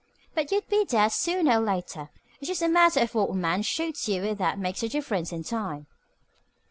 But you'd be dead sooner or later. It's just a matter of what a man shoots you with that makes the difference in time.